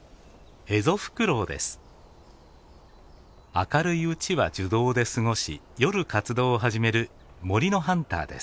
明るいうちは樹洞で過ごし夜活動を始める森のハンターです。